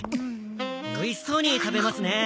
おいしそうに食べますね。